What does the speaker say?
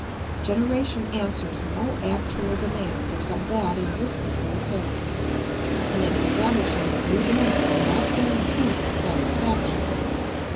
] Generation answers no actual demand except that existing in the parents, and it establishes a new demand without guaranteeing its satisfaction.